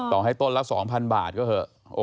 ต่อให้ต้นละ๒๐๐บาทก็เถอะ